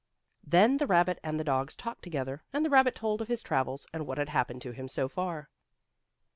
Then the rabbit and the dogs talked together, and the rabbit told of his travels, and what had happened to him so far.